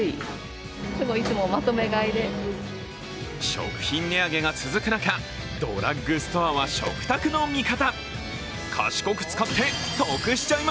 食品値上げが続く中、ドラッグストアは食卓の味方。